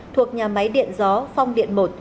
thuộc nhà máy điện gió phong điện một